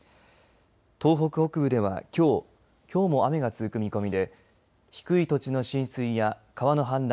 東北北部ではきょうも雨が続く見込みで低い土地の浸水や川の氾濫